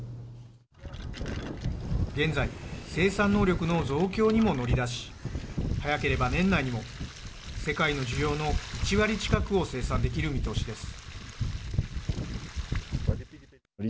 現在、生産能力の増強にも乗り出し早ければ年内にも世界の需要の１割近くを生産できる見通しです。